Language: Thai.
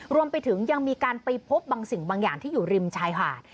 รวมไปถึงยังมีการไปพบบางสิ่งบางอย่างที่อยู่ริมชายหาด